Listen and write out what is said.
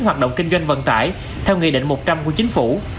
hoạt động kinh doanh vận tải theo nghị định một trăm linh của chính phủ